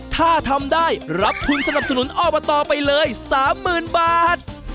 ถ้าทำได้รับทุนสนับสนุนอบตไปเลย๓๐๐๐บาท